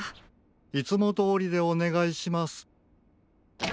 いつもどおりでおねがいします。